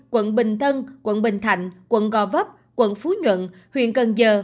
quận bình thân quận bình thạnh quận gò vấp quận phú nhuận huyện cần giờ